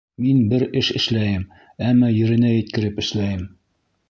Мин бер эш эшләйем, әммә еренә еткереп эшләйем!